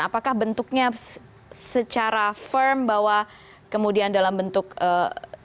apakah bentuknya secara firm bahwa kemudian dalam hal ini